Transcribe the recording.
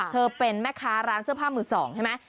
เธอเป็นแม่ค้าร้านเสื้อผ้ามือสองใช่ไหม